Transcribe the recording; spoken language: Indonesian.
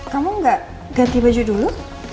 kamu gak ganti baju dulu